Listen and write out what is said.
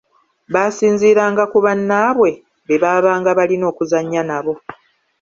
Baasinziiranga ku bannaabwe be baabanga balina okuzannya nabo.